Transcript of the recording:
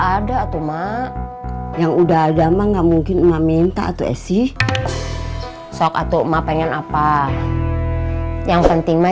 ada tuh mak yang udah ada mah nggak mungkin minta atau esy sok atau ma pengen apa yang pentingnya